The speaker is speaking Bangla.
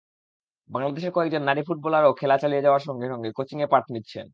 বাংলাদেশের কয়েকজন নারী ফুটবলারও খেলা চালিয়ে যাওয়ার সঙ্গে সঙ্গে কোচিংয়ের পাঠ নিচ্ছেন।